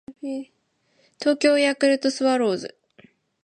東京ヤクルトスワローズ